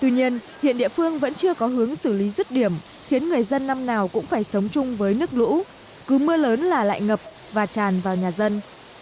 tuy nhiên hiện địa phương vẫn chưa có hướng xử lý rứt điểm khiến người dân năm nào cũng phải sống chung với nước lũ cứ mưa lớn là lại ngập và tràn vào nhà dân